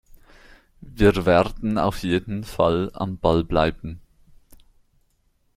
Wir werden auf jeden Fall am Ball bleiben.